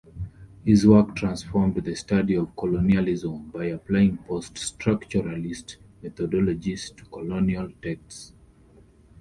His work transformed the study of colonialism by applying post-structuralist methodologies to colonial texts.